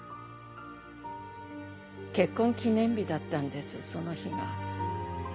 結婚記念日だったんですその日が。